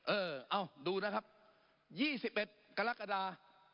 เออเอาดูนะครับ๒๑กรกฎา